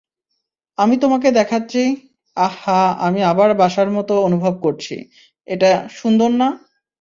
আমি তোমাকে দেখাচ্ছি আহ হা আমি আবার বাসার মতো অনুভব করছি এইটা সুন্দর না?